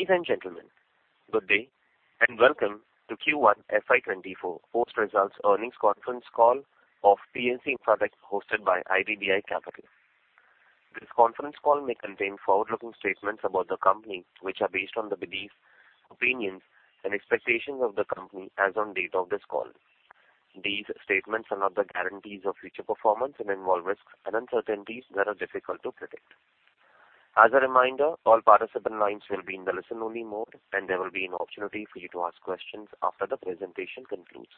Ladies and gentlemen, good day, and welcome to Q1 FY24 post-results earnings conference call of PNC Infratech, hosted by IDBI Capital. This conference call may contain forward-looking statements about the company, which are based on the beliefs, opinions, and expectations of the company as on date of this call. These statements are not the guarantees of future performance and involve risks and uncertainties that are difficult to predict. As a reminder, all participant lines will be in the listen-only mode, and there will be an opportunity for you to ask questions after the presentation concludes.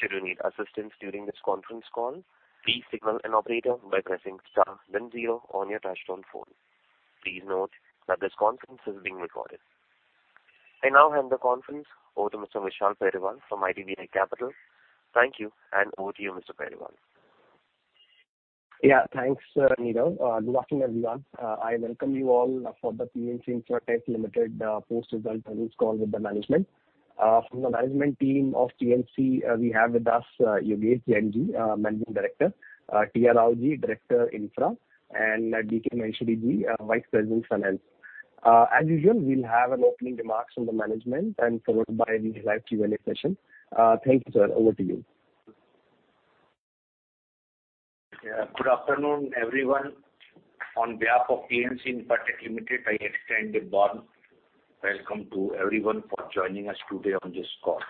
Should you need assistance during this conference call, please signal an operator by pressing star then zero on your touchtone phone. Please note that this conference is being recorded. I now hand the conference over to Mr. Vishal Periwal from ICICI Securities. Thank you, and over to you, Mr. Periwal. Yeah, thanks, sir, Nirav. Good afternoon, everyone. I welcome you all for the PNC Infratech Limited post-result earnings call with the management. From the management team of PNC, we have with us Yogesh Jainji, Managing Director, T.R. Raoji, Director Infra, and D.K. Maheshwariji, Vice President, Finance. As usual, we'll have an opening remarks from the management and followed by the live Q&A session. Thank you, sir. Over to you. Good afternoon, everyone. On behalf of PNC Infratech Limited, I extend a warm welcome to everyone for joining us today on this call.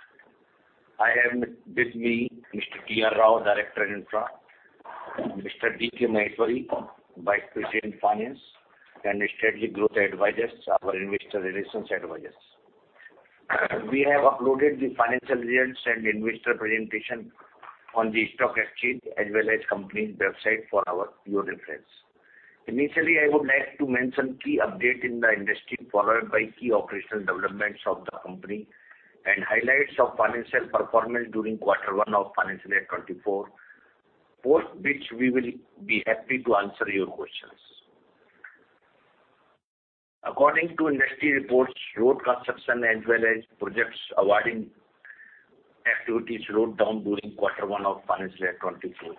I have with me Mr. T. R. Rao, Director, Infra, Mr. D. K. Maheshwari, Vice President, Finance, Strategic Growth Advisors, our investor relations advisors. We have uploaded the financial results and investor presentation on the stock exchange, as well as company website for your reference. Initially, I would like to mention key update in the industry, followed by key operational developments of the company, and highlights of financial performance during quarter one of financial year 2024, post which we will be happy to answer your questions. According to industry reports, road construction as well as projects awarding activities slowed down during quarter one of financial year 2024.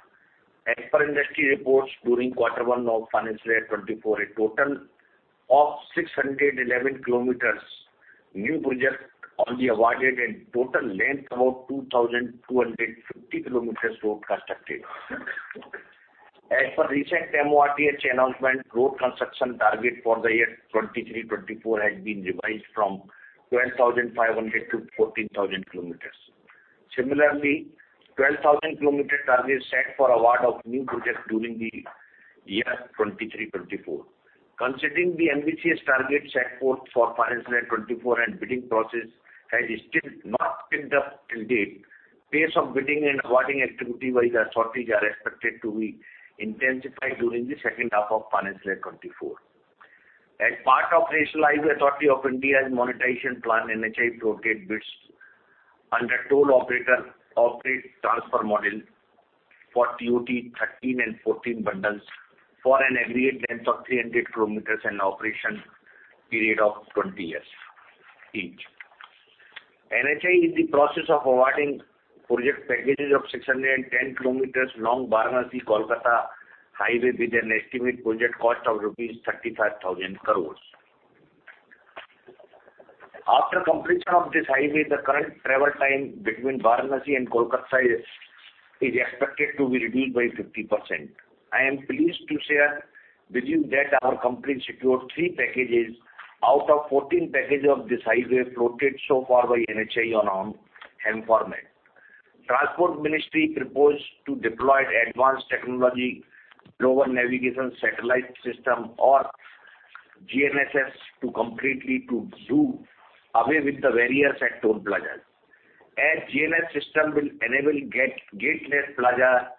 As per industry reports, during quarter one of financial year 2024, a total of 611 km new projects only awarded, and total length, about 2,250 km road constructed. As per recent MoRTH announcement, road construction target for the year 2023-2024 has been revised from 12,500 to 14,000 km. Similarly, 12,000 km target set for award of new projects during the year 2023-2024. Considering the uncertain target set forth for financial year 2024 and bidding process has still not picked up till date, pace of bidding and awarding activity by the authorities are expected to be intensified during the second half of financial year 2024. As part of National Highways Authority of India's monetization plan, NHAI floated bids under toll operator operate transfer model for TOT 13 and 14 bundles for an aggregate length of 300 km and operation period of 20 years each. NHAI is in the process of awarding project packages of 610 km long Varanasi-Kolkata Highway, with an estimated project cost of 35,000 crore rupees. After completion of this highway, the current travel time between Varanasi and Kolkata is expected to be reduced by 50%. I am pleased to share with you that our company secured 3 packages out of 14 packages of this highway floated so far by NHAI on our HAM format. Transport Ministry proposed to deploy advanced technology, Global Navigation Satellite System, or GNSS, to completely do away with the barriers at toll plazas. As GNSS system will enable gate, gateless plaza,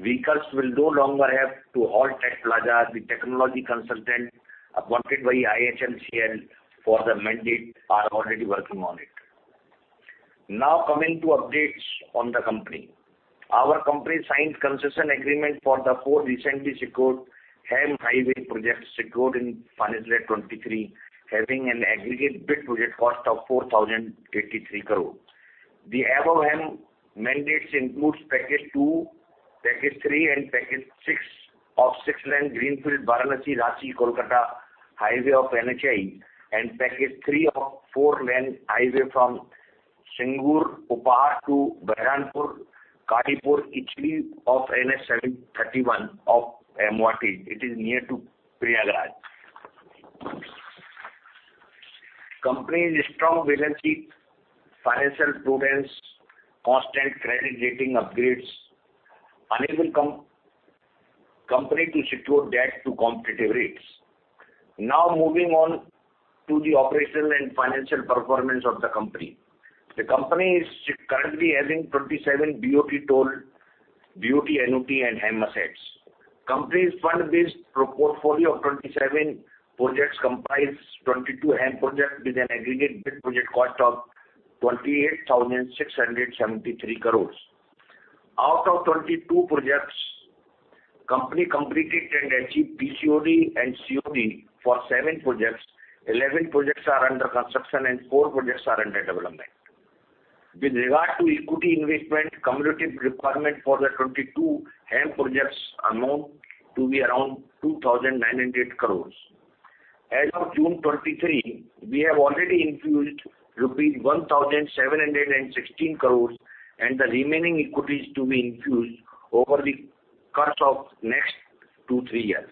vehicles will no longer have to halt at plaza. The technology consultant appointed by IHMCL for the mandate are already working on it. Now, coming to updates on the company. Our company signed concession agreement for the four recently secured HAM highway projects secured in financial year 2023, having an aggregate bid project cost of 4,083 crore. The above HAM mandates includes Package Two, Package Three, and Package Six of six-lane greenfield Varanasi-Ranchi-Kolkata Highway of NHAI, and Package Three of four-lane highway from Singur, Upah to Berhampore, Karimpur, Ichheri of NH 70-31 of MoRTH. It is near to Prayagraj. Company's strong financial prudence, constant credit rating upgrades, enable company to secure debt to competitive rates. Now, moving on to the operational and financial performance of the company. The company is currently having 27 BOT toll, BOT, OMT, and HAM assets. Company's fund-based portfolio of 27 projects comprise 22 HAM projects, with an aggregate bid project cost of 28,673 crore. Out of 22 projects, company completed and achieved PCOD and COD for 7 projects, 11 projects are under construction, and 4 projects are under development. With regard to equity investment, cumulative requirement for the 22 HAM projects amount to be around 2,900 crore. As of June 2023, we have already infused rupees 1,716 crore, and the remaining equity is to be infused over the course of next 2-3 years.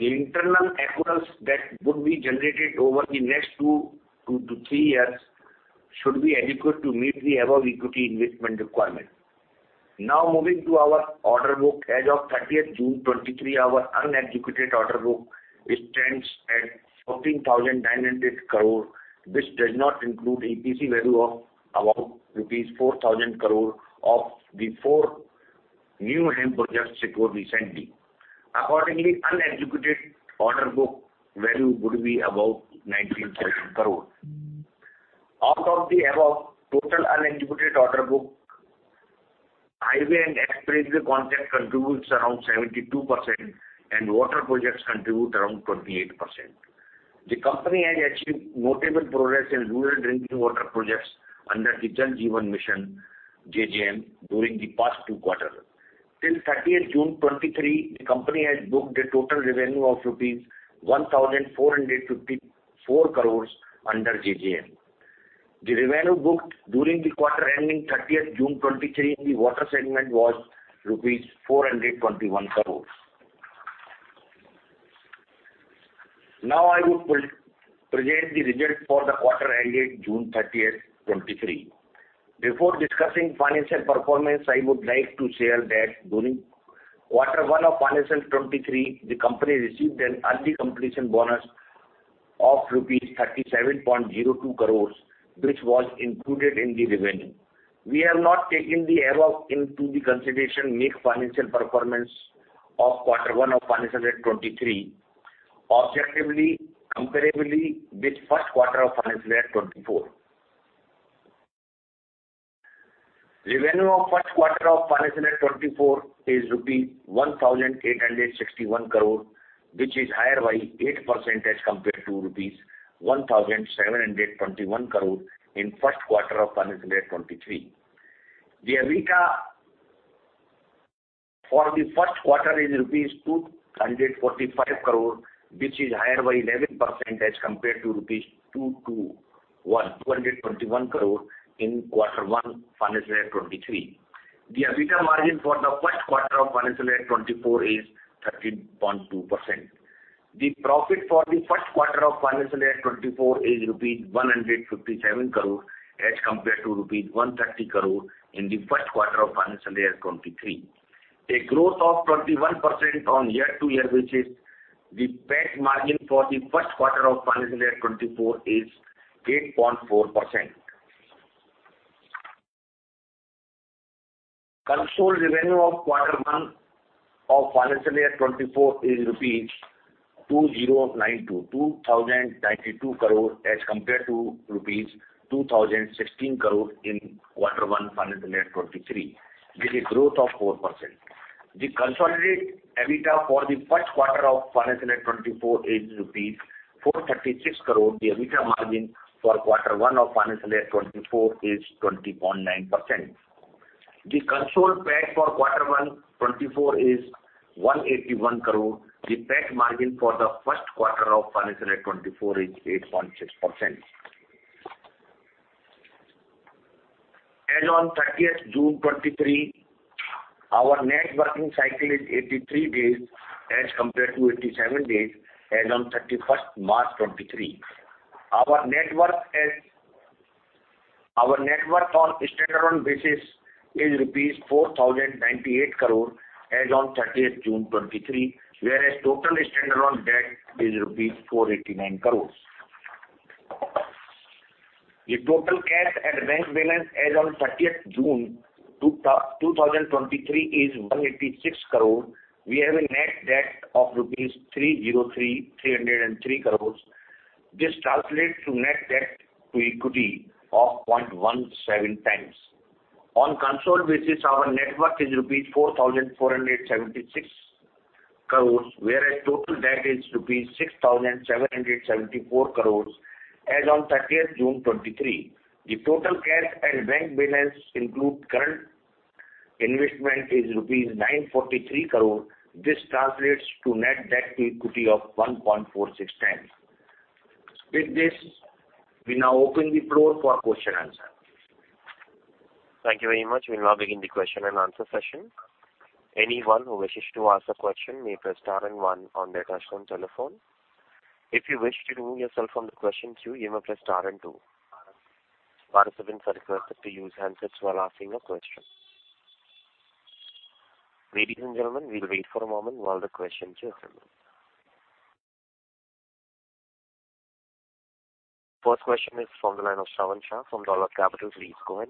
The internal accruals that would be generated over the next 2-3 years should be adequate to meet the above equity investment requirement. Now moving to our order book. As of June 30, 2023, our unexecuted order book stands at INR 14,900 crore, which does not include EPC value of about INR 4,000 crore of the four new HAM projects it got recently. Accordingly, unexecuted order book value would be about 19,000 crore. Out of the above total unexecuted order book, highway and expressway contract contributes around 72%, and water projects contribute around 28%. The company has achieved notable progress in rural drinking water projects under the Jal Jeevan Mission, JJM, during the past two quarters. Till June 30, 2023, the company has booked a total revenue of rupees 1,454 crore under JJM. The revenue booked during the quarter ending June 30th, 2023 in the water segment was rupees 421 crore. Now, I would pre-present the results for the quarter ended June 30, 2023. Before discussing financial performance, I would like to share that during quarter one of financial 2023, the company received an early completion bonus of rupees 37.02 crore, which was included in the revenue. We have not taken the above into the consideration, make financial performance of quarter one of financial year 2023, objectively, comparably with Q1 of financial year 2024. Revenue of Q1 of financial year 2024 is 1,861 crore rupees, which is higher by 8% as compared to 1,721 crore rupees in Q1 of financial year 2023. The EBITDA for the Q1 is rupees 245 crore, which is higher by 11% as compared to rupees 221 crore in quarter one, financial year 2023. The EBITDA margin for the first quarter of financial year 2024 is 13.2%. The profit for the Q1 of financial year 2024 is rupees 157 crore, as compared to rupees 130 crore in the first quarter of financial year 2023, a growth of 21% on year-to-year basis. The PAT margin for the first quarter of financial year 2024 is 8.4%. Consolidated revenue of quarter one of financial year 2024 is 2,092 crore, as compared to rupees 2,016 crore in quarter one, financial year 2023, with a growth of 4%. The consolidated EBITDA for the Q1 of financial year 2024 is 436 crore. The EBITDA margin for quarter one of financial year 2024 is 20.9%. The console PAT for Q1 2024 is 181 crore. The PAT margin for the first quarter of financial year 2024 is 8.6%. As on June 30, 2023, our networking cycle is 83 days as compared to 87 days as on March 31, 2023. Our net worth on standalone basis is 4,098 crore rupees as on June 30, 2023, whereas total standalone debt is 489 crore rupees. The total cash and bank balance as on June 30, 2023, is 186 crore. We have a net debt of rupees 303 crore. This translates to net debt to equity of 0.17x. On console basis, our net worth is rupees 4,476 crore, whereas total debt is rupees 6,774 crore as on June 30, 2023. The total cash and bank balance include current investment, is rupees 943 crore. This translates to net debt to equity of 1.46x. With this, we now open the floor for question answer. Thank you very much. We now begin the question and answer session. Anyone who wishes to ask a question may press star and 1 on their touchtone telephone. If you wish to remove yourself from the question queue, you may press star and 2. Participants are requested to use handsets while asking a question. Ladies and gentlemen, we'll wait for a moment while the questions queue come in. First question is from the line of Shravan Shah from Dolat Capital. Please go ahead.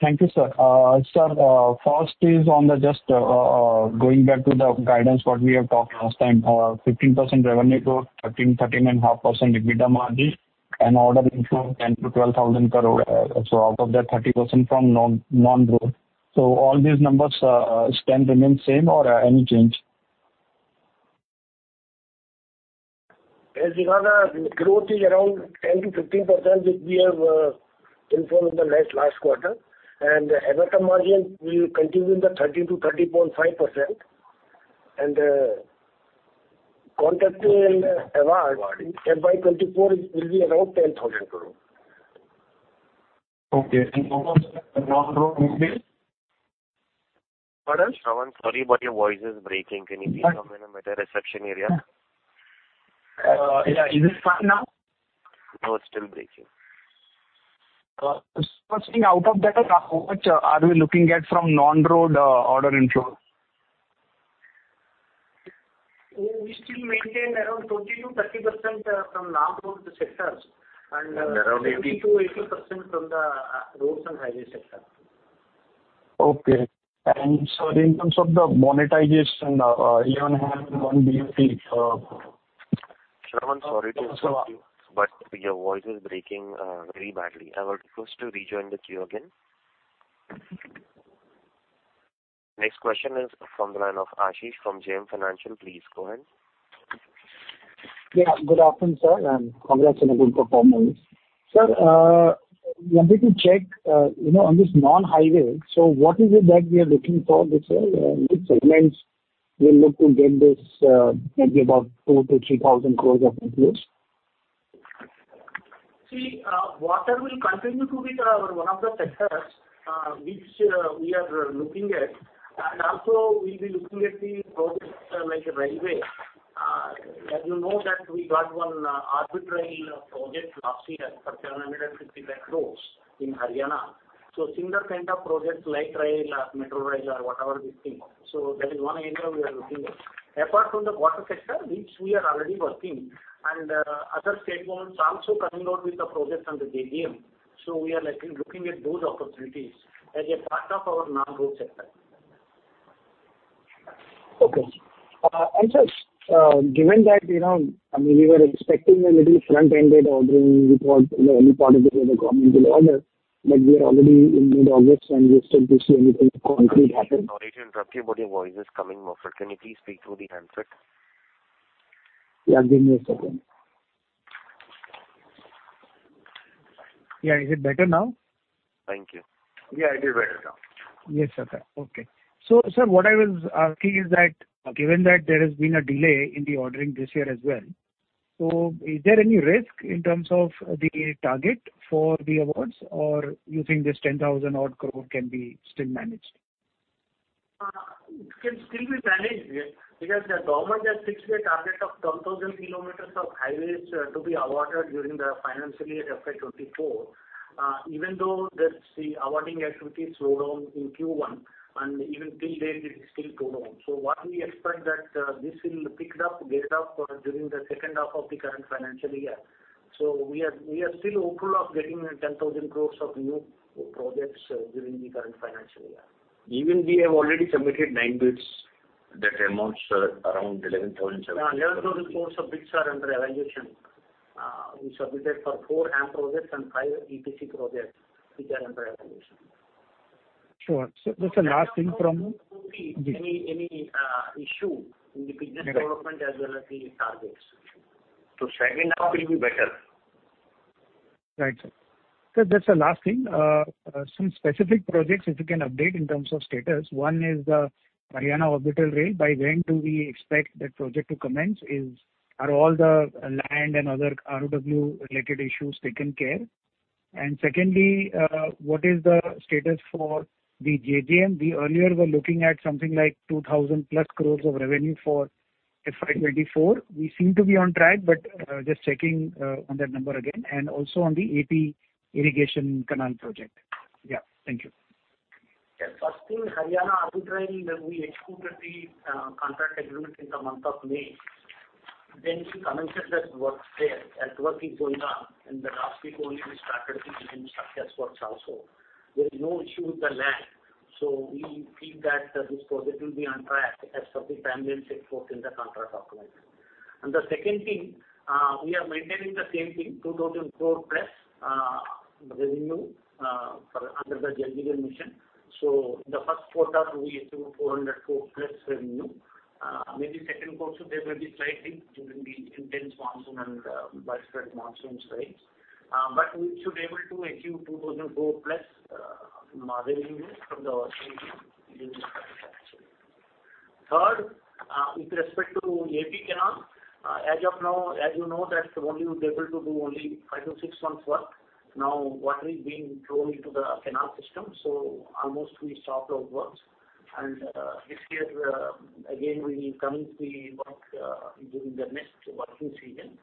Thank you, sir. First is on the just, going back to the guidance, what we have talked last time, 15% revenue growth, 13-13.5% EBITDA margin. Order inflow 10,000-12,000 crore, out of that, 30% from non, non-road. All these numbers, stand remain same or any change? As you know, the growth is around 10%-15%, which we have informed in the last, last quarter. The EBITDA margin, we will continue in the 13%-13.5%. Contractual award FY 2024 will be around INR 10,000 crore. Okay. Total non-road will be? What else? Shravan, sorry. Your voice is breaking. Can you please come in a better reception area? Yeah. Is it fine now? No, it's still breaking. Seeing out of that, how much are we looking at from non-road, order inflow? We still maintain around 20%-30% from non-road sectors. Around 80. 20% to 80% from the roads and highway sector. Okay. Sir, in terms of the monetization, you have 1 BP. Shravan, sorry to interrupt you, but your voice is breaking, very badly. I would request to rejoin with you again. Next question is from the line of Ashish, from JM Financial. Please go ahead. Good afternoon, sir, and congrats on a good performance. Sir, one thing to check, you know, on this non-highway, what is it that we are looking for this, which segments will look to get this, maybe about 2,000-3,000 crore of increase? See, water will continue to be the, one of the sectors, which, we are looking at. Also we'll be looking at the projects like railway. As you know that we got one arbitrary project last year for 755 crore in Haryana. Similar kind of projects like rail, metro rail or whatever we think. That is one area we are looking at. Apart from the water sector, which we are already working, other state governments also coming out with the projects on the JJM. We are looking, looking at those opportunities as a part of our non-road sector. Okay. Just, given that, you know, I mean, we were expecting a little front-ended ordering with what, you know, any part of the other governmental order, but we are already in mid-August, and we still do see anything concrete happening. Sorry to interrupt you, but your voice is coming muffled. Can you please speak through the handset? Yeah, give me a second. Yeah, is it better now? Thank you. Yeah, it is better now. Yes, sir. Okay. Sir, what I was asking is that, given that there has been a delay in the ordering this year as well, is there any risk in terms of the target for the awards, or you think this 10,000 odd crore can be still managed? It can still be managed, yes, because the government has fixed a target of 10,000 kilometers of highways to be awarded during the financial year FY 2024. Even though that's the awarding activity slowed down in Q1, and even till date, it is still too low. What we expect that this will pick it up, get up during the second half of the current financial year. We are, we are still hopeful of getting a 10,000 crore of new projects during the current financial year. Even we have already submitted 9 bids, that amounts around 11,000 seven- 11,000 crore of bids are under evaluation. We submitted for 4 HAM projects and 5 EPC projects, which are under evaluation. Sure. Just the last thing from me. Any, any issue in the business development as well as the targets. Second half will be better. Right, sir. Just the last thing, some specific projects, if you can update in terms of status. One is the Haryana Orbital Rail. By when do we expect that project to commence? Are all the land and other ROW related issues taken care? Secondly, what is the status for the JJM? We earlier were looking at something like 2,000+ crore of revenue for FY 2024. We seem to be on track, but, just checking, on that number again, and also on the AP Irrigation Canal project. Yeah, thank you. Yes, first thing, Haryana Orbital Rail, we executed the contract agreement in the month of May. We commenced the work there, and work is going on, the last week only we started the construction works also. There is no issue with the land, we feel that this project will be on track as per the time we have set forth in the contract document. The second thing, we are maintaining the same thing, 2,000 crore+ revenue for under the Jal Jeevan Mission. The Q1, we achieve 400 crore+ revenue. Maybe second quarter, there may be slight thing during the intense monsoon and widespread monsoon strikes. We should be able to achieve 2,004+ revenue from the mission actually. Third, with respect to AP Canal, as of now, as you know that only we'll be able to do only 5 to 6 months work. Now, water is being thrown into the canal system, so almost we stopped our works. This year, again, we come into the work during the next working season.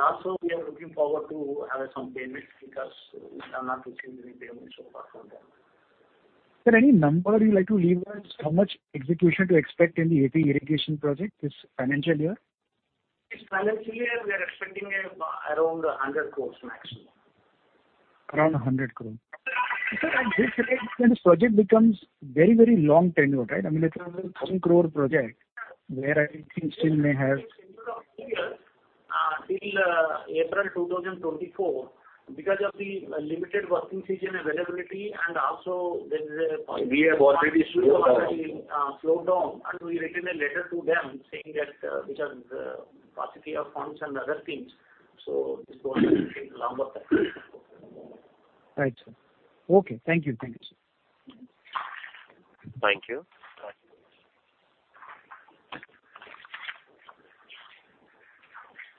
Also, we are looking forward to have some payments because we have not received any payments so far from them. Sir, any number you'd like to leave us, how much execution to expect in the AP Irrigation Project this financial year? This financial year, we are expecting, around INR 100 crore.... around 100 crore. Sir, this, when this project becomes very, very long tenured, right? I mean, it's around 1,000 crore project, where I think still may have- Till April 2024, because of the limited working season availability, and also there is a-. We have already slowed down. We have already slowed down, and we written a letter to them saying that because paucity of funds and other things, so this project will take longer time. Right, sir. Okay, thank you. Thank you, sir. Thank you.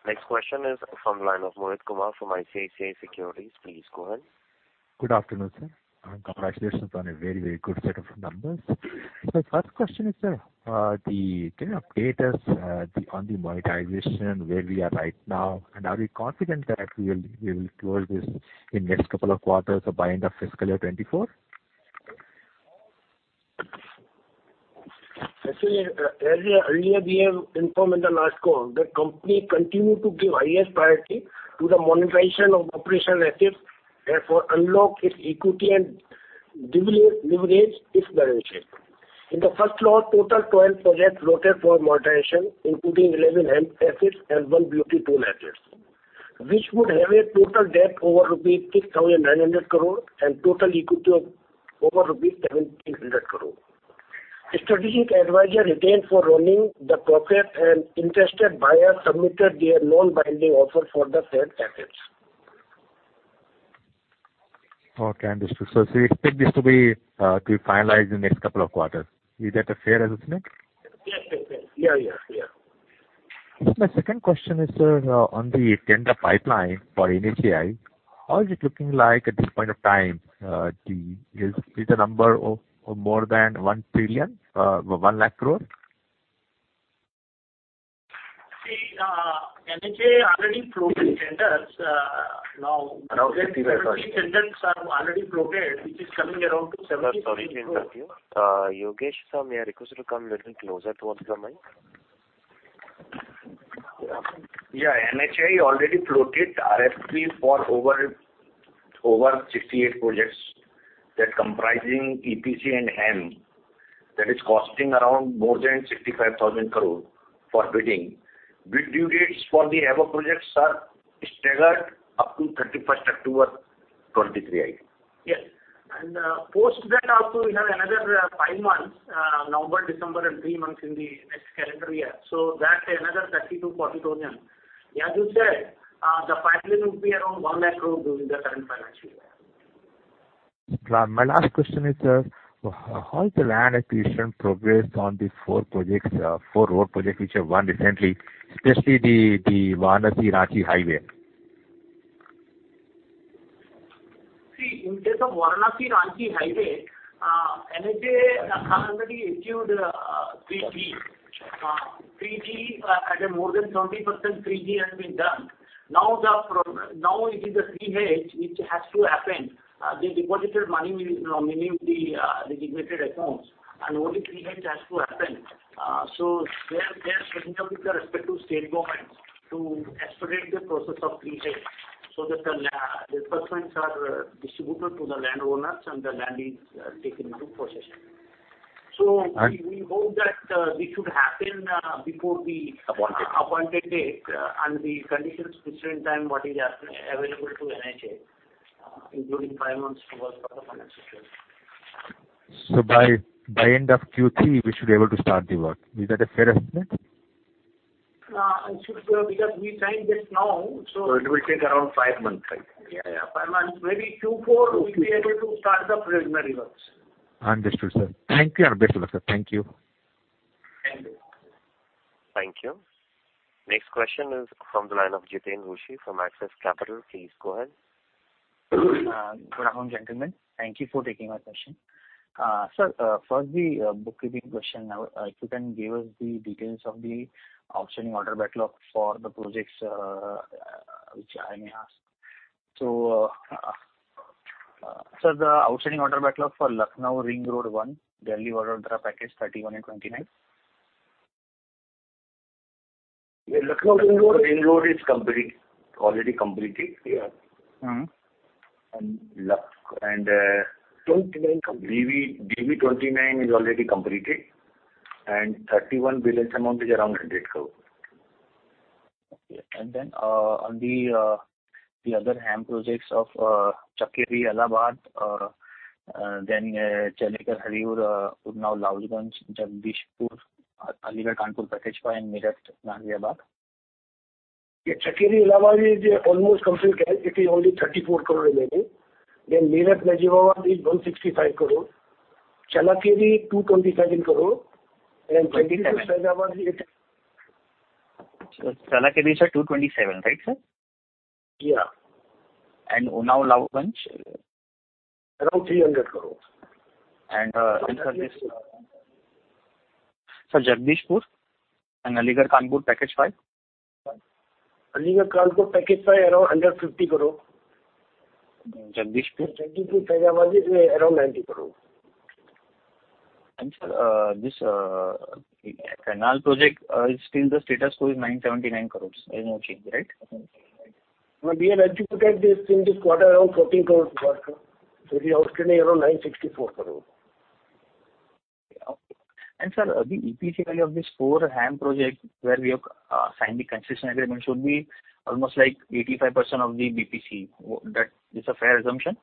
Next question is from the line of Mohit Kumar from ICICI Securities. Please go ahead. Good afternoon, sir, and congratulations on a very, very good set of numbers. First question is, sir, can you update us on the monetization, where we are right now, and are we confident that we will, we will close this in next couple of quarters or by end of fiscal year 2024? Actually, earlier, earlier, we have informed in the last call, the company continued to give highest priority to the monetization of operation assets, therefore unlock its equity and divi- leverage its balance sheet. In the first floor, total 12 projects floated for monetization, including 11 HAM assets and one build-to-tool assets, which would have a total debt over 6,900 crore rupees and total equity of over 1,700 crore rupees. Strategic advisor retained for running the process, and interested buyers submitted their non-binding offer for the said assets. Okay, understood. So you expect this to be finalized in the next couple of quarters. Is that a fair assessment? Yes, yes, yes. Yeah, yeah, yeah. My second question is, sir, on the tender pipeline for NHAI, how is it looking like at this point of time? Is the number of more than 1 trillion, 100,000 crore? See, NHAI already floated tenders, now. Around. tenders are already floated, which is coming around to 70-. Sir, sorry to interrupt you. Yogesh, sir, may I request you to come a little closer towards the mic? Yeah, NHAI already floated RFP for over, over 68 projects that comprising EPC and HAM, that is costing around more than 65,000 crore for bidding. Bid due dates for the above projects are staggered up to 31st October 2023, I think. Yes, post that also, we have another five months, November, December and three months in the next calendar year. That's another 30,000-40,000. As you said, the pipeline will be around 100,000 crore during the current financial year. My, my last question is, sir, how is the land acquisition progress on the 4 projects, 4 road projects which have won recently, especially the, the Varanasi-Ranchi highway? In case of Varanasi-Ranchi Highway, NHAI has already issued Section 3G. Section 3G, at a more than 70%, Section 3G has been done. It is the Section 3H, which has to happen. The deposited money will now be in the designated accounts, and only Section 3H has to happen. They are, they are speaking with the respective state governments to expedite the process of Section 3H, so that the disbursements are distributed to the land owners and the land is taken into possession. Right. We, we hope that this should happen before the- Appointed. appointed date, and the conditions prescribed time what is available to NHAI, including 5 months to work for the financial year. By end of Q3, we should be able to start the work. Is that a fair estimate? It should be, because we signed it now... It will take around five months, I think. Yeah, yeah, five months. Maybe Q4, we'll be able to start the preliminary works. Understood, sir. Thank you. Understood, sir. Thank you. Thank you. Thank you. Next question is from the line of Jiten Rushi from Axis Capital. Please go ahead. gentlemen. Thank you for taking my question. Sir, first the bookkeeping question. If you can give us the details of the outstanding order backlog for the projects which I may ask. Sir, the outstanding order backlog for Lucknow Ring Road 1, Delhi-Vadodara Package 31 and 29. Lucknow Ring Road, Ring Road is complete, already completed. Yeah. Mm-hmm. BV, BV 29 is already completed, and 31 balance amount is around 100 crore. Okay. Then, on the, the other HAM projects of, Chakeri-Allahabad, then, Chutmalpur-Ganeshpur, Unnao, Lalganj, Jagdishpur, Aligarh, Kanpur, Package Five, Meerut-Najibabad. Chakeri-Allahabad is almost completed. It is only 34 crore remaining. Meerut- Najibabad is 165 crore. Chakeri, 227 crore, Jagdishpur, Faizabad is- Chalakie is 227, right, sir? Yeah. Unnao, Lalganj? Around INR 300 crore. Sir, Jagdishpur and Aligarh, Kanpur, Package 5? Aligarh, Kanpur, Package Five, around under INR 50 crore. Jagdishpur? Jagdishpur, Faizabad is around INR 90 crore. Sir, this canal project, still the status quo is 979 crore. There's no change, right? We have executed this in this quarter, around 14 crore work. The outstanding around INR 964 crore. Okay. sir, the EPC value of this 4 HAM projects where we have signed the concession agreement should be almost like 85% of the BPC. That is a fair assumption?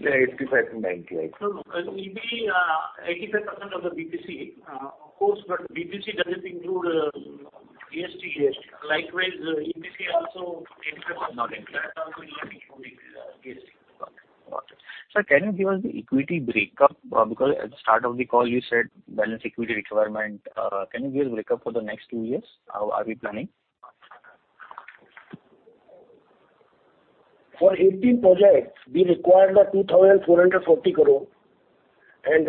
Yeah, 85, 90, right. Sir, it will be 85% of the BPC, of course, but BPC doesn't include GST. GST. Likewise, EPC also 85% not included, that also not including GST. Got it. Got it. Sir, can you give us the equity break up? Because at the start of the call, you said balance equity requirement. Can you give a break up for the next 2 years? How are we planning? For 18 projects, we required 2,440 crore, and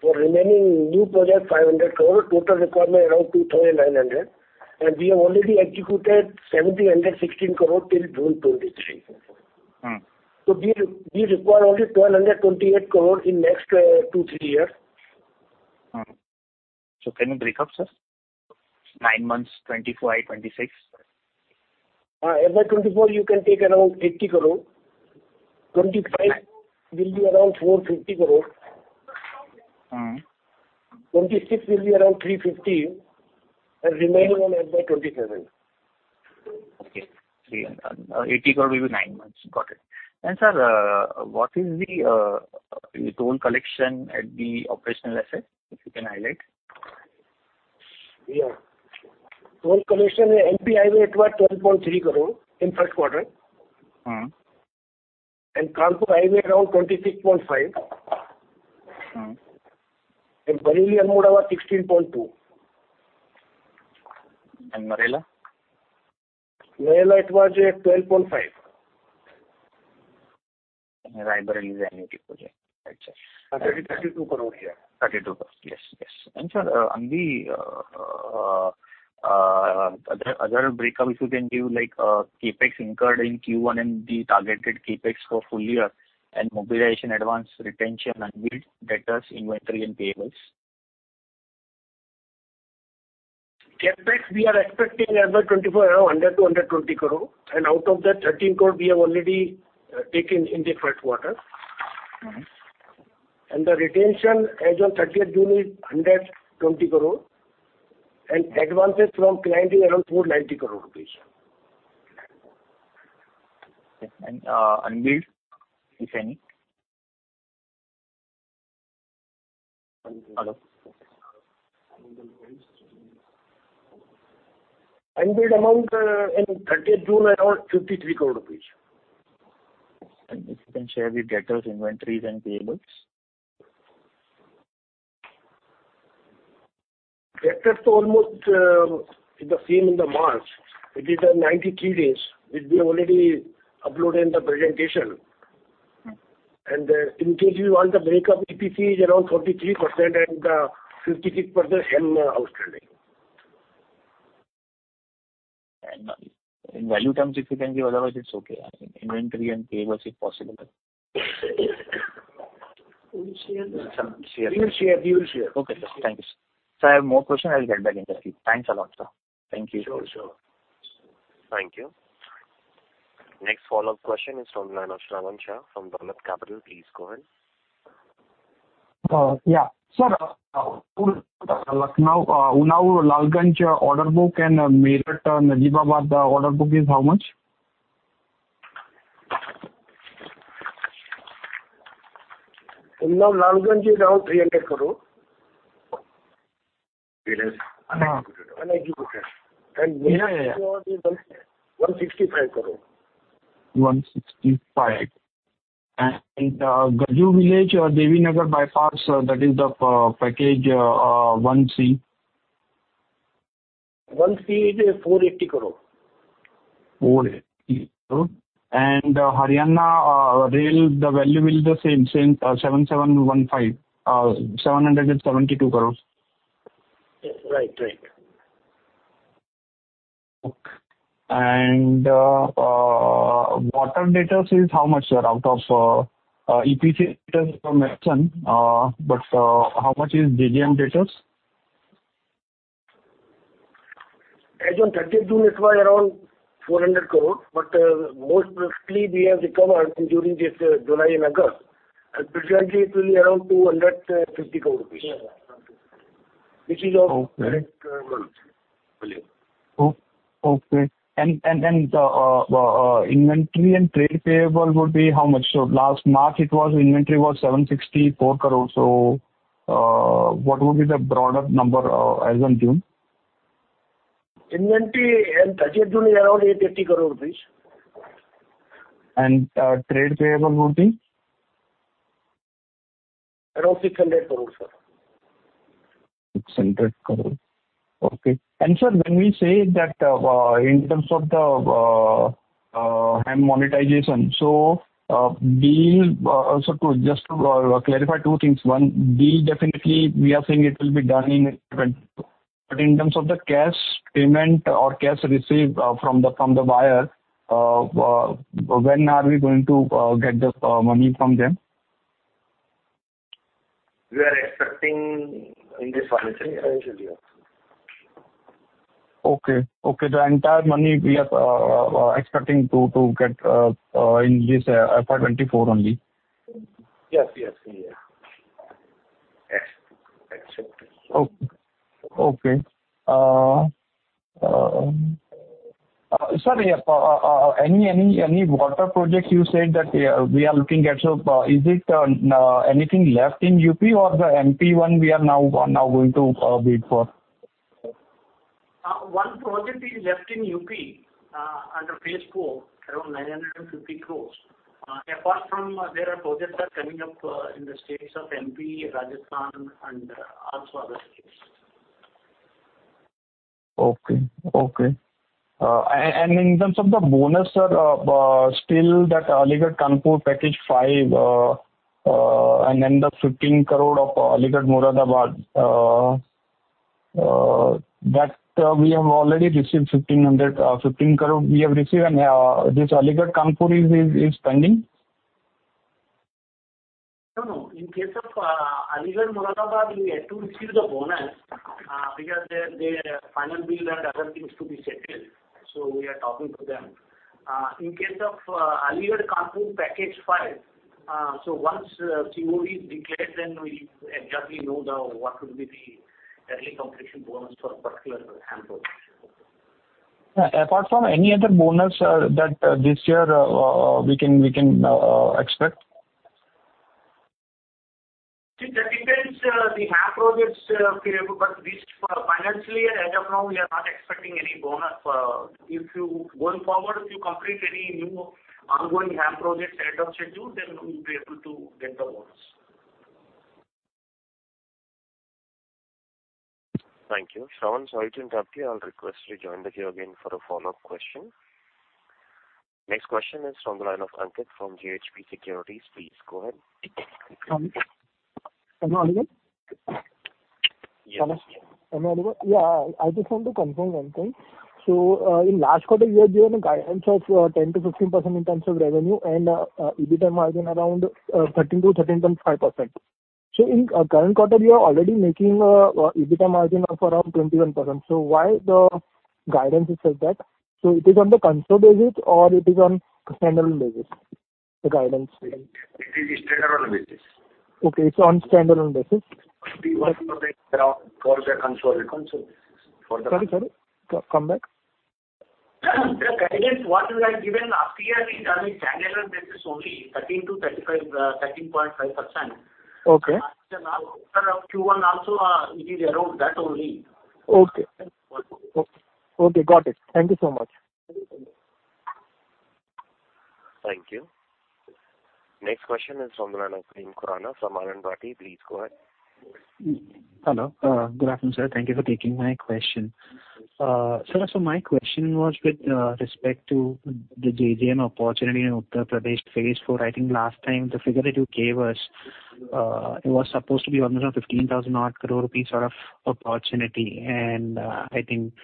for remaining new projects, 500 crore. Total requirement around 2,900 crore, and we have already executed 1,716 crore till June 2023. Mm. We, we require only 1,228 crore in next 2-3 years. Mm. Can you break up, sir? 9 months, 25, 26. FY 2024, you can take around 80 crore. 2025 will be around 450 crore. Mm. FY 2026 will be around 350. Remaining 1 FY 2027. Okay. 380 crore will be 9 months. Got it. Sir, what is the toll collection at the operational asset, if you can highlight? Yeah. Toll collection, MP Highway, it was INR 12.3 crore in Q1. Mm. Kanpur highway, around INR 26.5 crore. Mm. Bareilly Banda, 16.2. Marela? Marela, it was 12.5. Rae Bareli is a new project. Got you. INR 32 crore, yeah. INR 32 crores. Yes, yes. Sir, on the other, other break up, if you can give, like, CapEx incurred in Q1 and the targeted CapEx for full year, and mobilization, advance, retention, unbilled, debtors, inventory and payables? CapEx, we are expecting FY 2024, around 100 crore-120 crore. Out of that, 13 crore we have already taken in the first quarter. Mm. The retention as of June 30, is 120 crore, and advances from clients is around 490 crore rupees. Okay. unbilled, if any? Hello. Unbilled amount, in June 30, around 53 crore rupees. If you can share the debtors, inventories and payables. Debtors almost is the same in March. It is 93 days, which we already uploaded in the presentation. Mm. In case you want the break up, EPC is around 43% and 56% HAM outstanding. In value terms, if you can give, otherwise, it's okay. Inventory and payables, if possible. We will share that. We will share. We will share. Okay. Thanks. Sir, I have more question. I'll get back into you. Thanks a lot, sir. Thank you. Sure, sure. Thank you. Next follow-up question is from Manoj Shravan Shah from Dolat Capital. Please go ahead. Yeah. Sir, Lucknow, Unnao- Lalganj order book and Meerut-Najibabad, the order book is how much? Unnao- Lalganj is around INR 300 crore. It is. Executed. Yeah, yeah, yeah. INR 165 crore. INR 165 crore. Ghaziabad-Aligarh, that is the package 1C? One C is 480 crore. 480 crore. Haryana, rail, the value will the same, INR 772 crore. Right, right. Water debtors is how much, sir, out of EPC debtors you mentioned, but how much is JJM debtors? As on June 13, it was around 400 crore, but, mostly we have recovered during this, July and August. Presently, it will be around 250 crore. This is our- Okay. Correct. Okay. And, inventory and trade payable would be how much? Last March, it was inventory was 764 crore. What would be the broader number, as on June? Inventory as of June 30, around INR 880 crore. Trade payable would be? Around 600 crore, sir. 600 crore. Okay. Sir, when we say that, in terms of the HAM monetization, we'll so just to clarify two things, one, we definitely we are saying it will be done in 2022? In terms of the cash payment or cash received, from the buyer, when are we going to get this money from them? We are expecting in this financial year. Okay. Okay, the entire money we are expecting to get in this FY 2024 only. Yes, yes, we are. Yes, expected. Okay. sir, any water projects you said that we are, we are looking at, so, is it anything left in UP or the MP one we are now going to bid for? One project is left in UP under phase four, around 950 crore. Apart from there are projects that are coming up in the states of MP, Rajasthan, and also other states. Okay. Okay. In terms of the bonus, sir, still that Aligarh-Kanpur Package five, then the 15 crore of Aligarh Moradabad, that we have already received 1,500, 15 crore. We have received. This Aligarh-Kanpur pending? No, no. In case of Aligarh Moradabad, we are yet to receive the bonus because their, their final bill and other things to be settled, so we are talking to them. In case of Aligarh-Kanpur package five, so once CO is declared, then we exactly know what will be the early completion bonus for a particular HAM project. Yeah. Apart from any other bonus, that, this year, we can expect? See, that depends, the HAM projects, period. This quarter financially, as of now, we are not expecting any bonus. If you going forward, if you complete any new ongoing HAM projects ahead of schedule, then we'll be able to get the bonus. Thank you. Shawn, sorry to interrupt you. I'll request you to join the queue again for a follow-up question. Next question is from the line of Ankit from B&K Securities. Please go ahead. Hello. Am I audible? Yes. Am I, am I audible? Yeah, I just want to confirm one thing. In last quarter, you had given a guidance of 10%-15% in terms of revenue and EBITDA margin around 13%-13.5%. In current quarter, you are already making EBITDA margin of around 21%. Why the guidance is like that? It is on the console basis or it is on standalone basis, the guidance? It is standalone basis. Okay, it's on standalone basis. Around for the console, console basis for the- Sorry, sorry. Come back. The guidance, what we have given last year is on a standalone basis, only 13%-35%, 13.5%. Okay. After now, Q1 also, it is around that only. Okay. Welcome. Okay, got it. Thank you so much. Thank you. Next question is from the line of Prem Khurana from Anand Rathi. Please go ahead. Hello. Good afternoon, sir. Thank you for taking my question. Sir, my question was with respect to the JJM opportunity in Uttar Pradesh, phase IV. I think last time the figure that you gave us, it was supposed to be almost around 15,000 odd crore sort of opportunity. I think,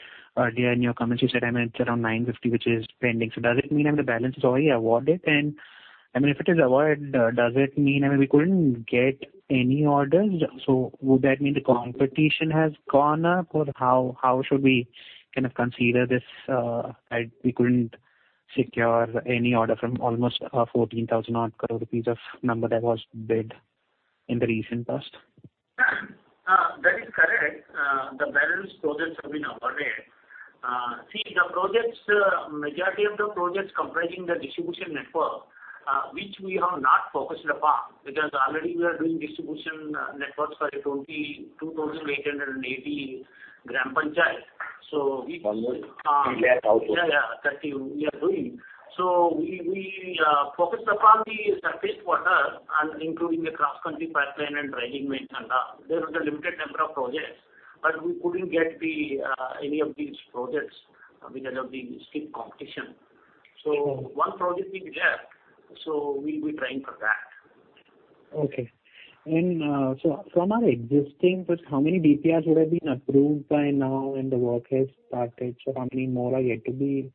during your comments, you said it's around 950 crore, which is pending. Does it mean that the balance is already awarded? I mean, if it is awarded, does it mean, I mean, we couldn't get any orders, so would that mean the competition has gone up? How, how should we kind of consider this that we couldn't secure any order from almost 14,000 odd crore of number that was bid in the recent past? That is correct. The balance projects have been awarded. See, the projects, majority of the projects comprising the distribution network, which we have not focused upon, because already we are doing distribution, networks for 22,880 gram panchayat. One more feedback also. Yeah, yeah, that we are doing. We, we focused upon the surface water and including the cross-country pipeline and railing maintenance. There is a limited number of projects, we couldn't get the any of these projects because of the stiff competition. Okay. One project is left, so we'll be trying for that. Okay. from our existing, just how many DPRs would have been approved by now and the work has started? how many more are yet to be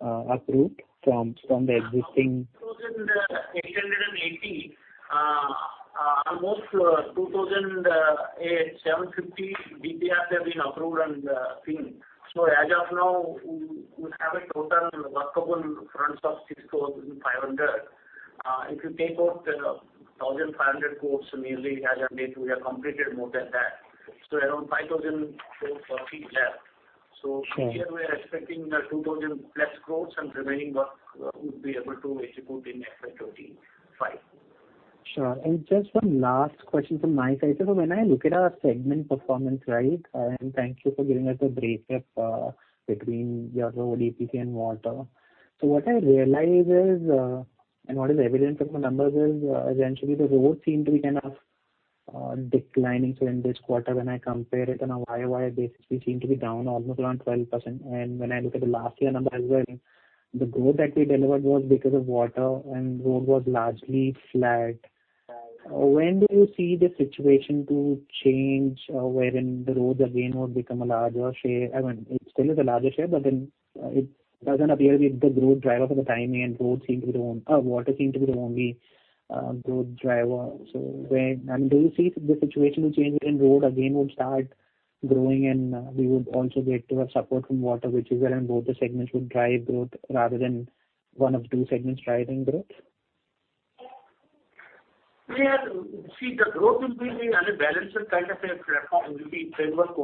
approved from, from the existing? 2,880, almost 2,750 DPRs have been approved and seen. As of now, we, we have a total work open fronts of 6,500. If you take out the 1,500 crore yearly, as of date, we have completed more than that. Around 5,000 crore roughly left. Sure. This year we are expecting 2,000+ crore, and remaining work we'll be able to execute in FY 2025. Sure. Just one last question from my side. When I look at our segment performance, right, and thank you for giving us a breakup between your road, EPC and water. What I realize is, and what is evident from the numbers is, essentially the road seem to be kind of declining. In this quarter, when I compare it on a YOY basis, we seem to be down almost around 12%. When I look at the last year numbers as well, the growth that we delivered was because of water, and road was largely flat. When do you see the situation to change, wherein the roads again would become a larger share? I mean, it still is a larger share, but then, it doesn't appear to be the growth driver for the time being, and roads seem to be the only, water seem to be the only, growth driver. I mean, do you see the situation will change and road again would start growing, and, we would also get to have support from water, which is where both the segments would drive growth, rather than one of two segments driving growth? Yeah. See, the growth will be in a balanced kind of a platform, will be framework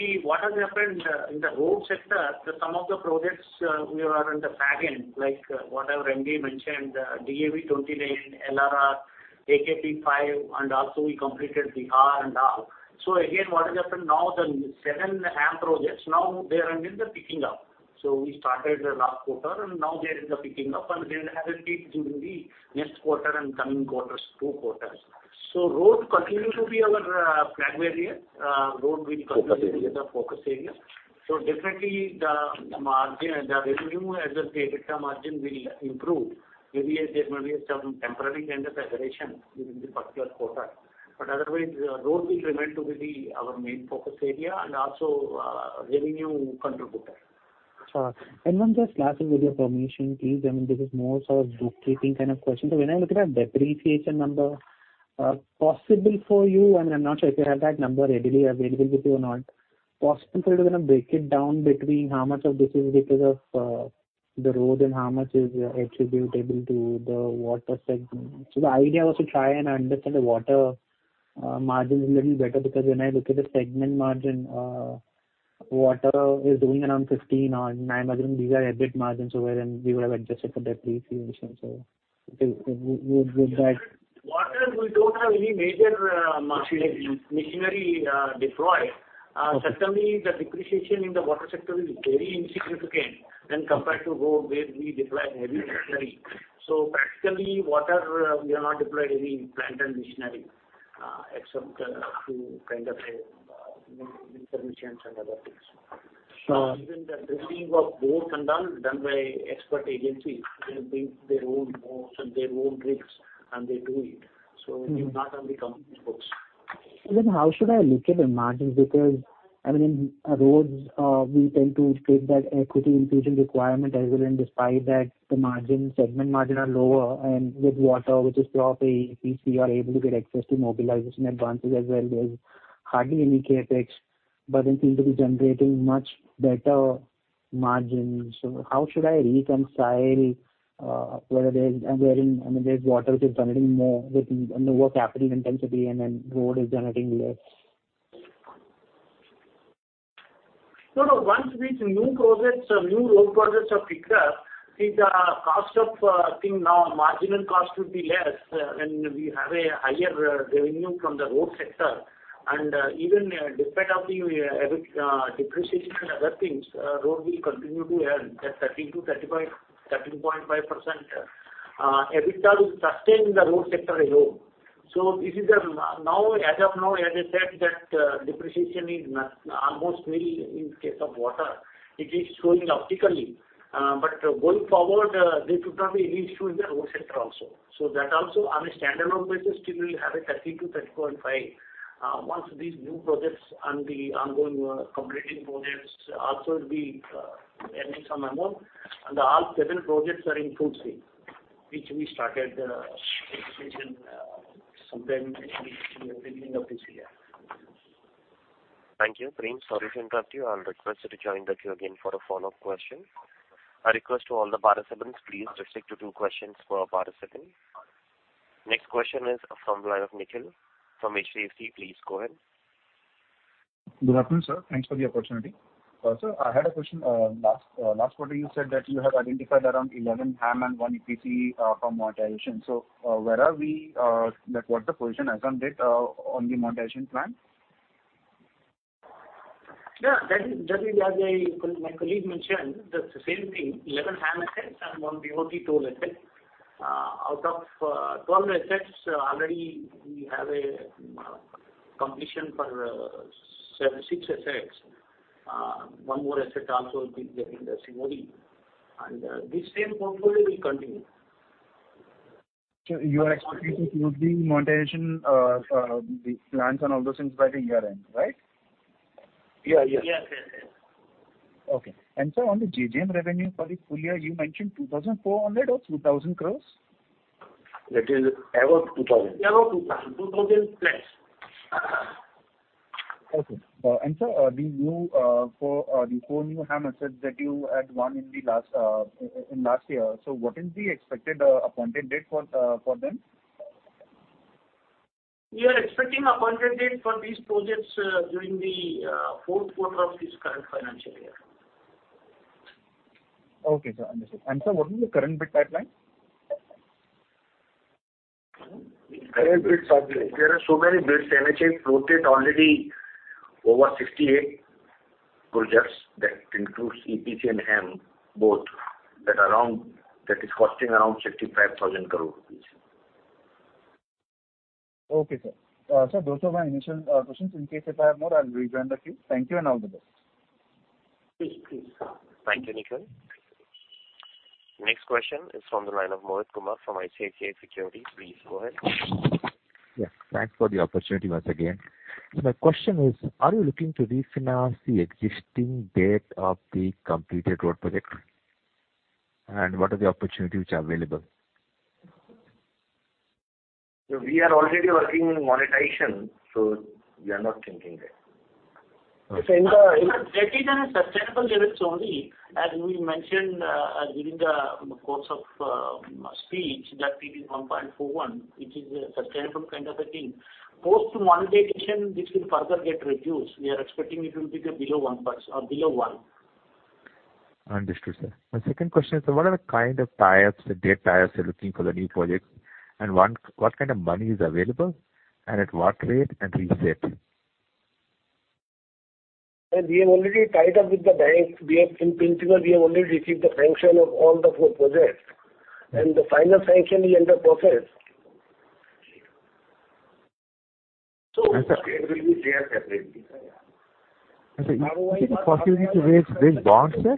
only. See, what has happened in the, in the road sector, the some of the projects, we are in the second, like, whatever MD mentioned, DAV 29, LRR, AKP 5, and also we completed Bihar and all. Again, what has happened now, the 7 HAM projects, now they are in the picking up. We started the last quarter, and now they are in the picking up, and they will have a peak during the next quarter and coming quarters, 2 quarters. Road continuing to be our flagbearer. Road will continue- Focus area. to be the focus area. Definitely, the, the margin, the revenue as well as the EBITDA margin will improve. Maybe there may be some temporary kind of hesitation during the particular quarter. Otherwise, road will remain to be the, our main focus area and also, revenue contributor. Sure. One just last, with your permission, please. I mean, this is more sort of bookkeeping kind of question. When I look at the depreciation number, possible for you, and I'm not sure if you have that number readily available with you or not, possible for you to kind of break it down between how much of this is because of, the road and how much is attributable to the water segment? The idea was to try and understand the water, margins a little better, because when I look at the segment margin, water is doing around 15 on, I imagine these are EBIT margins, where then we would have adjusted for depreciation. Would, would that. Water, we don't have any major machinery deployed. Certainly, the depreciation in the water sector is very insignificant when compared to road, where we deploy heavy machinery. Practically, water, we have not deployed any plant and machinery, except to kind of permissions and other things. Sure. Even the digging of bore and done, done by expert agencies. They bring their own bores and their own rigs, and they do it. Mm-hmm. It does not come in the books. How should I look at the margins? Because, I mean, in roads, we tend to take that equity infusion requirement, as well, and despite that, the margin, segment margin are lower. And with water, which is probably EPC, are able to get access to mobilization advances as well. There's hardly any CapEx, but then seem to be generating much better margins. So how should I reconcile whether there's, and wherein, I mean, there's water, which is generating more with, and the work happening intensely, and then road is generating less? No, once these new projects, new road projects are picked up, see, the cost of, I think now marginal cost would be less, when we have a higher, revenue from the road sector. Even, despite of the EBITDA, depreciation and other things, road will continue to earn that 30-35, 13.5%. EBITDA will sustain in the road sector alone. This is the. Now, as of now, as I said, that, depreciation is not almost nil in case of water. It is showing optically, but going forward, this would not be an issue in the road sector also. That also, on a standalone basis, still will have a 30-30.5. Once these new projects and the ongoing, completing projects also will be earning some amount, all 7 projects are in full swing, which we started execution sometime in the beginning of this year. Thank you, Prem. Sorry to interrupt you. I'll request you to join the queue again for a follow-up question. I request to all the participants, please restrict to two questions per participant. Next question is from the line of Nikhil from HDFC. Please go ahead. Good afternoon, sir. Thanks for the opportunity. Sir, I had a question. Last, last quarter, you said that you had identified around 11 HAM and 1 EPC for monetization. Where are we? Like, what's the position as on date, on the monetization plan? Yeah, that is, that is, as I, my colleague mentioned, the same thing, 11 HAM assets and 1 BOT toll asset. Out of 12 assets, already we have a completion for seven-- six assets. 1 more asset also will be getting the same way. This same portfolio will continue. You are expecting to close the monetization, the plans and all those things by the year end, right? Yeah, yeah. Yes, yes, yes. Okay. Sir, on the JJM revenue for the full year, you mentioned 2,400 crore or 2,000 crore? That is above 2,000. Above 2,000, 2,000 plus. Okay. And sir, the new, four, the four new HAM assets that you had won in the last, in last year. What is the expected appointed date for them? We are expecting appointed date for these projects during the Q4 of this current financial year. Okay, sir. Understood. Sir, what is the current bid pipeline? Current bids pipeline. There are so many bids, MHI, floated already over 68 projects. That includes EPC and HAM, both. That is costing around 65,000 crore rupees. Okay, sir. sir, those were my initial questions. In case if I have more, I'll rejoin the queue. Thank you and all the best. Please, please. Thank you, Nikhil. Next question is from the line of Mohit Kumar from ICICI Security. Please go ahead. Yes, thanks for the opportunity once again. My question is, are you looking to refinance the existing debt of the completed road project? What are the opportunities which are available? We are already working in monetization, so we are not thinking that. Okay. In the debt is on a sustainable levels only, as we mentioned, during the course of speech, that it is 1.41, which is a sustainable kind of a thing. Post monetization, this will further get reduced. We are expecting it will be below 1% or below 1. Understood, sir. My second question is, what are the kind of tie-ups, the debt tie-ups, you're looking for the new projects, and one, what kind of money is available, and at what rate and reset? We have already tied up with the bank. We have, in principle, we have already received the sanction of all the four projects, and the final sanction is under process. It will be clear separately. Is it a possibility to raise this bond, sir?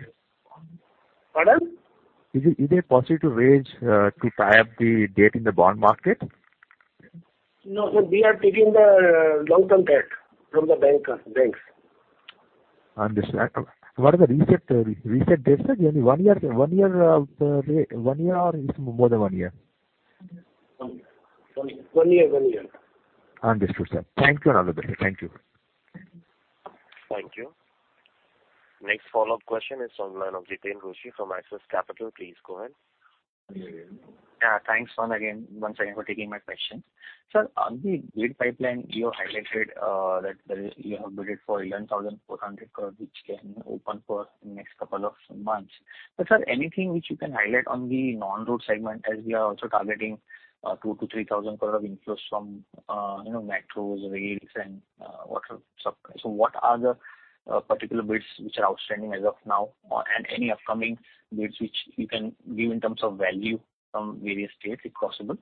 Pardon? Is it, is it possible to raise, to tie up the debt in the bond market? No, sir, we are taking the long-term debt from the banker, banks. Understood. What is the reset, reset this is only 1 year, 1 year of the rate, 1 year or it's more than 1 year? One year, one year. Understood, sir. Thank you, and all the best. Thank you. Thank you. Next follow-up question is from the line of Jiten Rushi from Axis Capital. Please go ahead. Yeah, thanks once again, once again for taking my question. Sir, on the bid pipeline, you have highlighted, that you have bid for 11,400, which can open for next couple of months. Sir, anything which you can highlight on the non-road segment, as we are also targeting, 2,000 crore-3,000 crore of inflows from, you know, metros, rails, and, water. What are the particular bids which are outstanding as of now, or and any upcoming bids which you can give in terms of value from various states, if possible?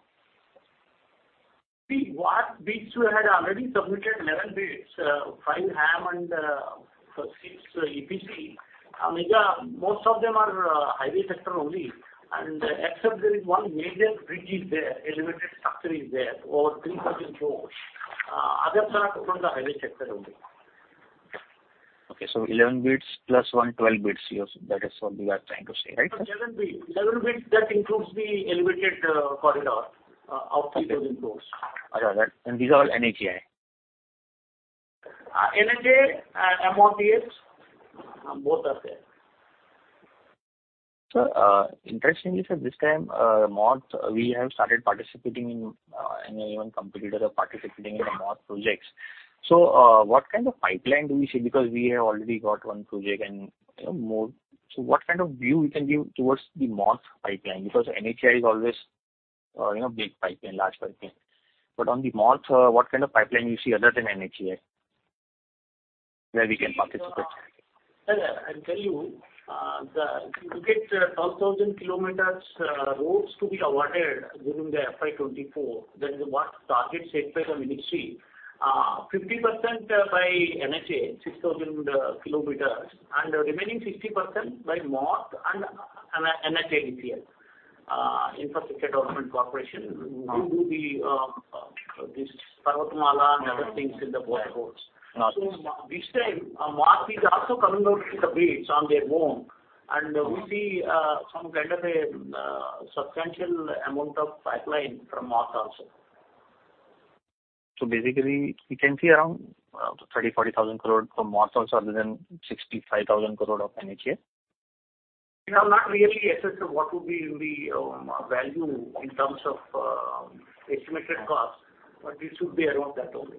See, what bids we had already submitted 11 bids, 5 HAM and 6 EPC. Yeah, most of them are highway sector only, and except there is one major bridge is there, a limited structure is there, over 3,000 crore. Others are from the highway sector only. Okay, 11 bids plus 1, 12 bids. Yes, that is what we are trying to say, right? 11 bids. 11 bids, that includes the elevated corridor of INR 3,000 crore. These are all NHAI? NHAI and MoRTH, both are there. Sir, interestingly, sir, this time, MoRTH, we have started participating in, and even competitor participating in the MoRTH projects. What kind of pipeline do we see? Because we have already got one project and, you know, more. What kind of view you can give towards the MoRTH pipeline? Because NHAI is always, you know, big pipeline, large pipeline. On the MoRTH, what kind of pipeline you see other than NHAI, where we can participate? Sir, I'll tell you, the, you get 12,000 kilometers roads to be awarded during the FY 2024. That is what target set by the Ministry. 50% by NHAI, 6,000 kilometers, and the remaining 60% by MoRTH and NHIDCL, Infrastructure Development Corporation, to do the, this Parvatmala and other things in the roads. Got it. This time, MoRTH is also coming out with the bids on their own, and we see some kind of a substantial amount of pipeline from MoRTH also. Basically, we can see around 30,000-40,000 crore from MoRTH also, other than 65,000 crore of NHAI. We have not really assessed what would be the value in terms of estimated cost, but it should be around that only.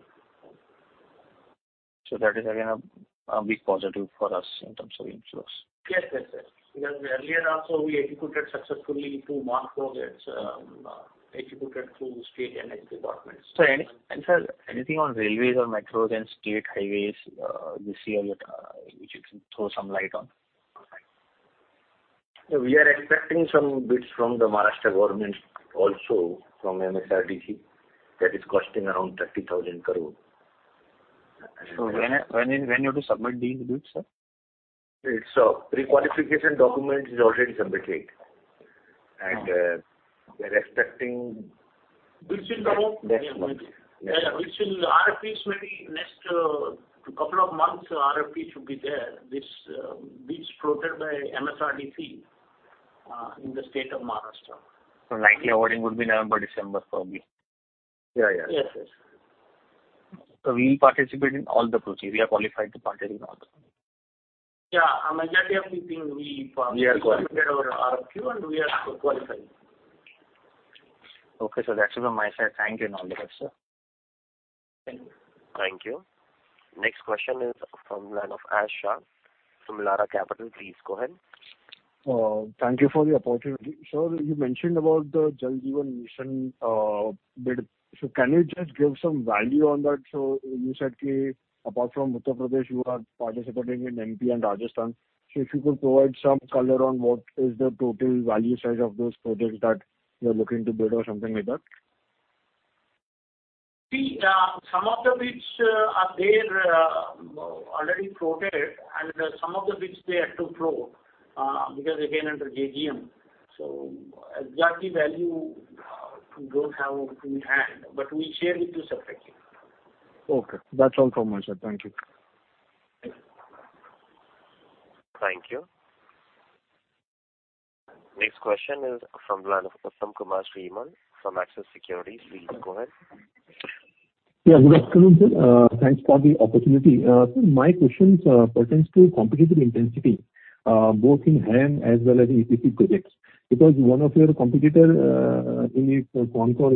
That is again a big positive for us in terms of inflows. Yes, yes, yes. Earlier also, we executed successfully two MoRTH projects, executed through state and departments. Sir, anything on railways or metros and state highways, you see, which you can throw some light on? We are expecting some bids from the Maharashtra government also, from MSRDC, that is costing around 30,000 crore. When you have to submit these bids, sir? It's a prequalification document is already submitted. We're expecting. Which will come next month. Which will RFPs maybe next couple of months, RFP should be there. This bids floated by MSRDC in the state of Maharashtra. Likely awarding would be November, December, probably. Yeah, yeah. Yes, yes. We will participate in all the projects. We are qualified to participate in all the projects. Yeah, majority of the thing. We are qualified. our RFQ, and we are qualified. Okay, that's it from my side. Thank you and all the best, sir. Thank you. Thank you. Next question is from the line of Parikshat Shah from LARA Capital. Please go ahead. Thank you for the opportunity. Sir, you mentioned about the Jal Jeevan Mission, bid. Can you just give some value on that? You said, apart from Uttar Pradesh, you are participating in MP and Rajasthan. If you could provide some color on what is the total value size of those projects that you're looking to build or something like that? See, some of the bids are there, already floated, and some of the bids they have to float, because again under JJM. Exactly value, we don't have in hand, but we'll share with you separately. Okay, that's all from my side. Thank you. Thank you. Next question is from Kumar Sriman, from Axis Securities. Please go ahead. Yeah, good afternoon, sir. Thanks for the opportunity. My questions pertains to competitive intensity, both in HAM as well as EPC projects. One of your competitor, in the Concor,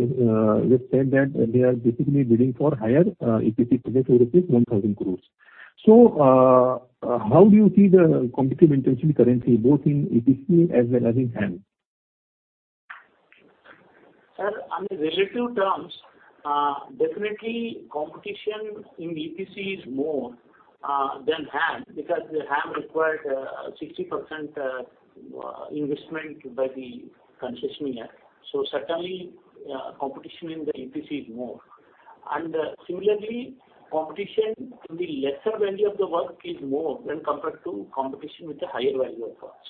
they've said that they are basically bidding for higher EPC projects, rupees 1,000 crore. How do you see the competitive intensity currently, both in EPC as well as in HAM? Sir, on the relative terms, definitely competition in EPC is more than HAM, because the HAM required 60% investment by the concessionaire. Certainly, competition in the EPC is more. Similarly, competition in the lesser value of the work is more when compared to competition with the higher value of works.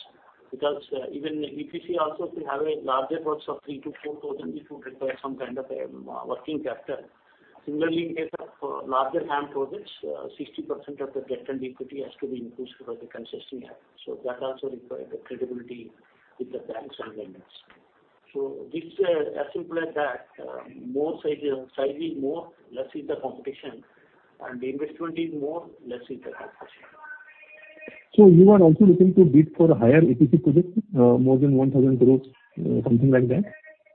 Because even EPC also, if you have a larger works of 3,000-4,000, it would require some kind of a working capital. Similarly, in case of larger HAM projects, 60% of the debt and equity has to be infused by the concessionaire. That also require the credibility with the banks and lenders. This, as simple as that, more size, sizing more, less is the competition, and the investment is more, less is the competition. You are also looking to bid for higher EPC projects, more than 1,000 crore, something like that?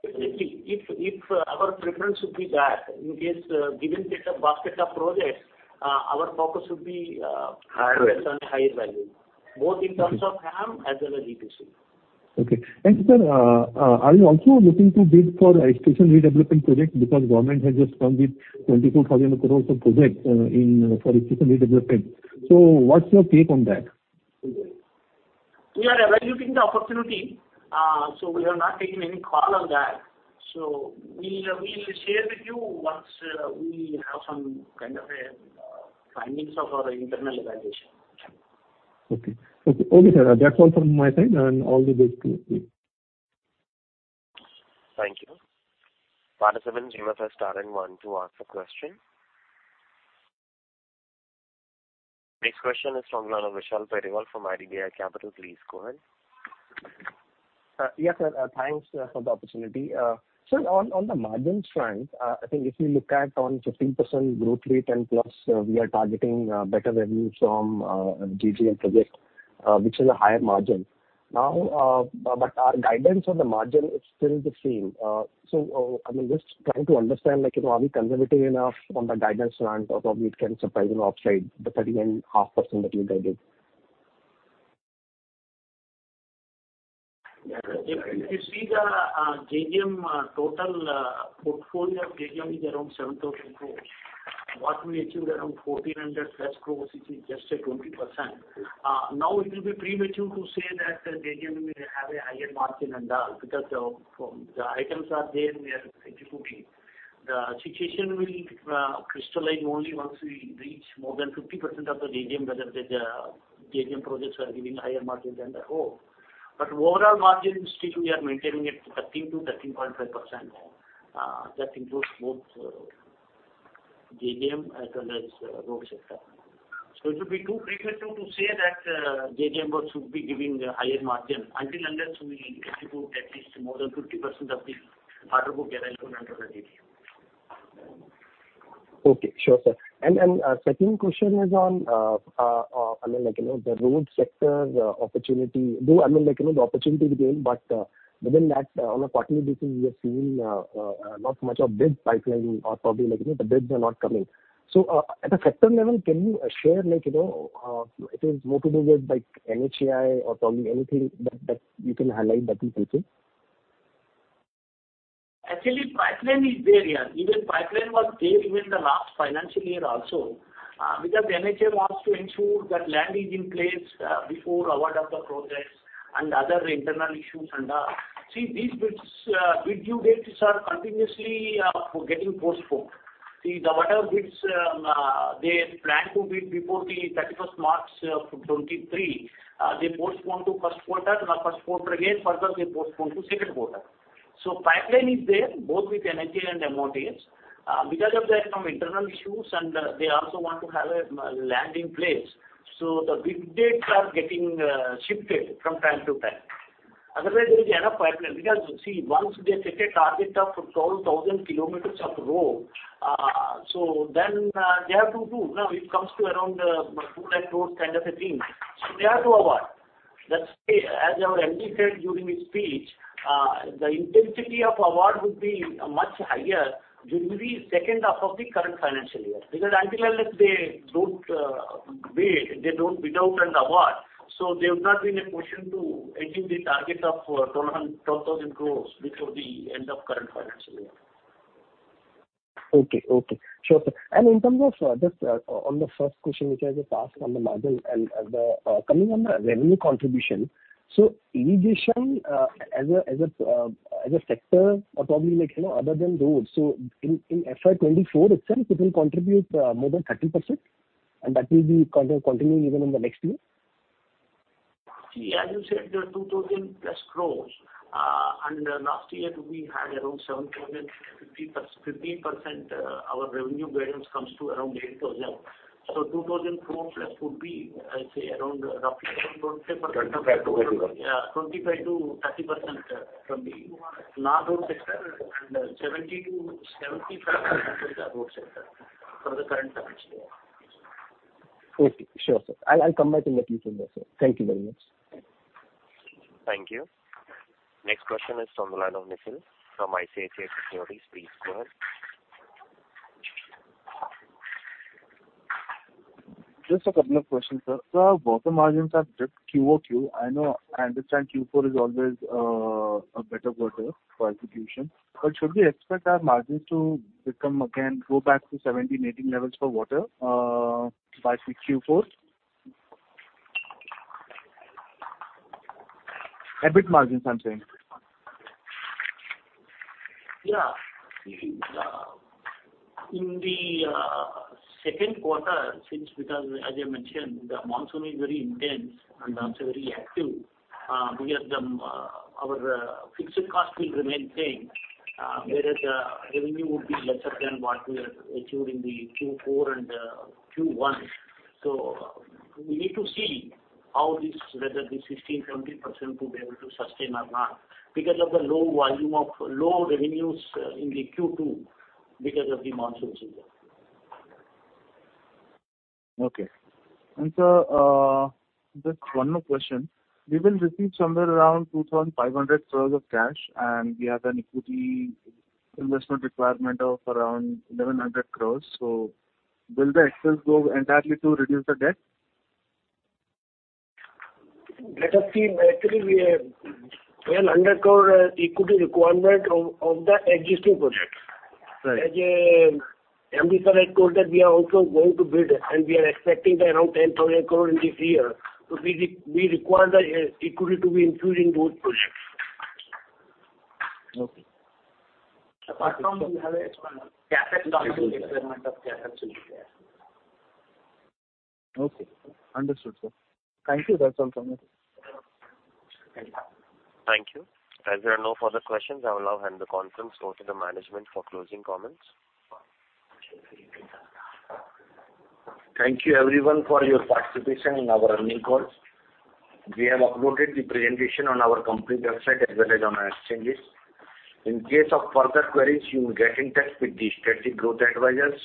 If, if our preference would be that, in case, given set of basket of projects, our focus would be, higher return, higher value, both in terms of HAM as well as EPC. Okay. Sir, are you also looking to bid for a station redevelopment project? Government has just come with 24,000 crore of projects, in, for station redevelopment. What's your take on that? We are evaluating the opportunity, so we have not taken any call on that. We'll share with you once we have some kind of a findings of our internal evaluation. Okay. Okay, sir. That's all from my side, and all the best to you. Thank you. Participant, you may press star and one to ask a question. Next question is from Vishal Periwal from ICICI Securities. Please go ahead. Yes, sir, thanks for the opportunity. On, on the margin front, I think if you look at on 15% growth rate and plus, we are targeting better revenues from JJM project, which is a higher margin. Now, our guidance on the margin is still the same. I mean, just trying to understand, like, you know, are we conservative enough from the guidance front, or probably it can surprise you upside, the 13.5% that you guided? Yeah. If, if you see the JJM total portfolio of JJM is around 7,000 crore. What we achieved around 1,400+ crore, which is just a 20%. Now it will be premature to say that the JJM will have a higher margin than that, because the items are there, we are executing. The situation will crystallize only once we reach more than 50% of the JJM, whether the JJM projects are giving higher margin than the whole. Overall margin, still we are maintaining it 13%-13.5%. That includes both JJM as well as road sector. It will be too premature to say that JJM work should be giving a higher margin, until unless we execute at least more than 50% of the order book available under the JJM. Okay. Sure, sir. Second question is on, I mean, like, you know, the road sector opportunity. Though, I mean, like, you know, the opportunity is there, but within that, on a quarterly basis, we have seen not much of bid pipeline or probably, like, you know, the bids are not coming. At a sector level, can you share, like, you know, it is more to do with, like, NHAI or probably anything that, that you can highlight that in future? Actually, pipeline is there, yeah. Even pipeline was there even the last financial year also, because the NHAI has to ensure that land is in place before award of the projects and other internal issues and that. See, these bids, bid due dates are continuously getting postponed. See, the whatever bids they plan to bid before the March 31 of 2023, they postponed to Q1, now Q1 again, further they postponed to Q2. Pipeline is there, both with NHAI and MoRTH. Because of the some internal issues, they also want to have a land in place, the bid dates are getting shifted from time to time. Otherwise, there is enough pipeline, because see, once they set a target of 12,000 kilometers of road, then they have to do. Now, it comes to around INR 2 lakh crore kind of a thing. They have to award. That's why, as I have indicated during the speech, the intensity of award would be much higher during the second half of the current financial year. Until unless they don't bid, they don't bid out and award, so there would not be in a position to achieve the target of 12,000 crore before the end of current financial year. Okay. Okay. Sure, sir. In terms of just on the first question, which I just asked on the margin and coming on the revenue contribution, so irrigation as a, as a, as a sector or probably like, you know, other than roads, so in, in FY24 itself, it will contribute more than 30%? That will be continuing even in the next year? See, as you said, the 2,000+ crore, and last year, we had around 7,050+ crore, 15%, our revenue balance comes to around 8,000 crore. So 2,000 crore+ would be, I'd say, around roughly yeah, 25%-30% from the non-road sector and 70%-75% road sector for the current financial year. Okay. Sure, sir. I'll, I'll come back and let you know, sir. Thank you very much. Thank you. Next question is from the line of Nikhil from ICICI Securities Research. Just a couple of questions, sir. Our bottom margins have dipped QOQ. I know-- I understand Q4 is always, a better quarter for execution, but should we expect our margins to become again, go back to 17-18 levels for water, by say, Q4? EBIT margins, I'm saying. Yeah. in the Q2, since because as I mentioned, the monsoon is very intense and also very active, because the our fixed cost will remain same, whereas, the revenue would be lesser than what we had achieved in the Q4 and Q1. We need to see how this... whether this 16%-17% will be able to sustain or not, because of the low volume of low revenues in the Q2, because of the monsoon season. Okay. Sir, just one more question. We will receive somewhere around 2,500 crore of cash, and we have an equity investment requirement of around 1,100 crore. Will the excess go entirely to reduce the debt? Let us see. Actually, we have well under core equity requirement of the existing projects. Right. As Ambika told that we are also going to build, We are expecting around 10,000 crore in this year. We require the equity to be including those projects. Okay. Apart from we have a requirement of cash actually there. Okay. Understood, sir. Thank you. That's all from me. Thank you. Thank you. As there are no further questions, I will now hand the conference over to the management for closing comments. Thank you, everyone, for your participation in our earning calls. We have uploaded the presentation on our company website as well as on our exchange list. In case of further queries, you will get in touch with the Strategic Growth Advisors,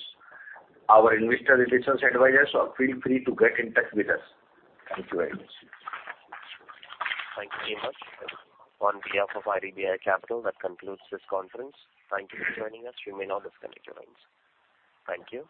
our investor relations advisors, or feel free to get in touch with us. Thank you very much. Thank you very much. On behalf of IDBI Capital, that concludes this conference. Thank you for joining us. You may now disconnect your lines. Thank you.